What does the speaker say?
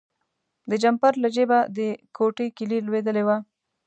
د جمپر له جیبه د کوټې کیلي لویدلې وه.